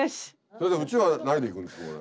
先生うちらは何でいくんですかこれ。